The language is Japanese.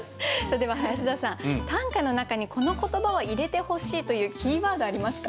では林田さん短歌の中にこの言葉は入れてほしいというキーワードありますか？